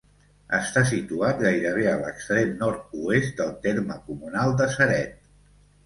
Està situat gairebé a l'extrem nord-oest del terme comunal de Ceret.